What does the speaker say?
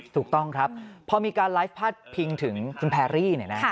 ถูกต้องครับพอมีการไลฟ์พาดพิงถึงคุณแพรรี่เนี่ยนะ